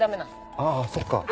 ああそっか。